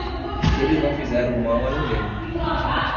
Eles não fizeram mal a ninguém.